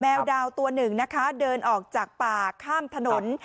ดาวตัวหนึ่งนะคะเดินออกจากป่าข้ามถนน